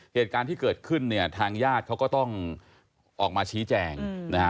เหตุการณ์ที่เกิดขึ้นเนี่ยทางญาติเขาก็ต้องออกมาชี้แจงนะฮะ